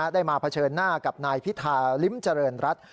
ได้มาเผชิญหน้ากับนายพิธาลิ้มเจริญรัฐ